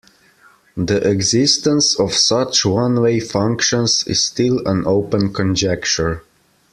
The existence of such one-way functions is still an open conjecture.